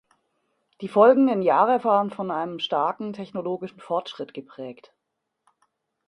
Die folgenden Jahre waren von einem starken technologischen Fortschritt geprägt.